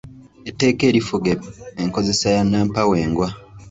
Etteeka erifuga enkozesa ya nnampawengwa.